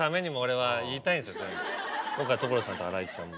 今回は所さんと新井ちゃんも。